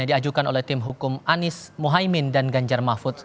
yang diajukan oleh tim hukum anies mohaimin dan ganjar mahfud